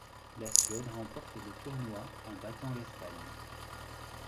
La Suède remporte le tournoi en battant l'Espagne.